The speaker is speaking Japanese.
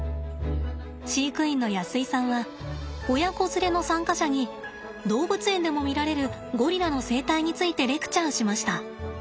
飼育員の安井さんは親子連れの参加者に動物園でも見られるゴリラの生態についてレクチャーしました。